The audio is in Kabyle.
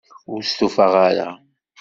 Ur stufaɣ ara.